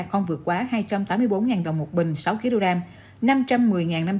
không vượt quá hai trăm tám mươi bốn đồng một bình sáu kg